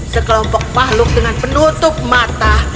sekelompok makhluk dengan penutup mata